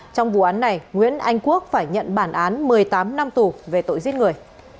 trong vụ án này nguyễn anh quốc phải nhận bản án một mươi tám năm tù về tội giết người